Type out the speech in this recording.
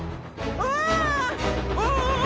うわ！